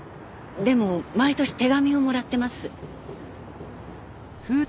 でも毎年手紙をもらってます。